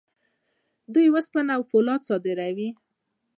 دوی وسپنه او فولاد صادروي.